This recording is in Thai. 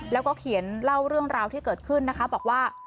แล้วก็เขียนเล่าเรื่องราวที่เกิดขึ้นนะคะบอกว่า